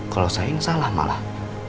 kalau saya ngesalah malah